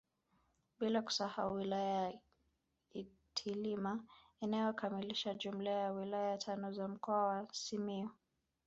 Bila kusahau wilaya ya Itilima inayokamilisha jumla ya wilaya tano za mkoa wa Simiyu